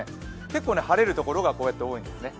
結構、晴れるところがこうやって多いんですね。